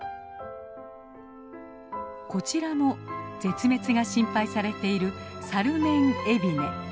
こちらも絶滅が心配されているサルメンエビネ。